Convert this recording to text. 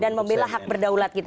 dan membela hak berdaulat